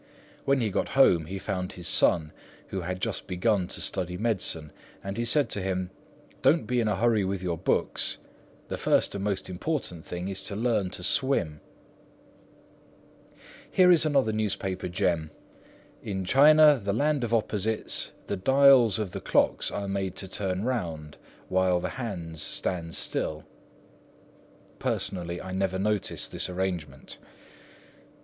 When he got home, he found his son, who had just begun to study medicine, and he said to him, "Don't be in a hurry with your books; the first and most important thing is to learn to swim!" Here is another newspaper gem: "In China, the land of opposites, the dials of the clocks are made to turn round, while the hands stand still." Personally, I never noticed this arrangement.